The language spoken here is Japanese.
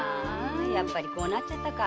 やっぱりこうなっちゃったか。